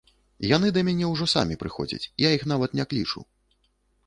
Яны да мяне ўжо самі прыходзяць, я іх нават не клічу.